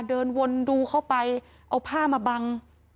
เดินวนดูเข้าไปเอาผ้ามาบัง